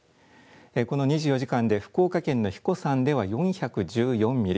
この２４時間で福岡県の英彦山では４１４ミリ。